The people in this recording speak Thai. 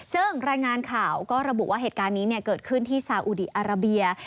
ซึ่งรายงานข่าวก็ระบุว่าเหตุการณ์นี้เกิดขึ้นที่ซาอุดีอาราเบีย